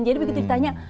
jadi begitu ditanya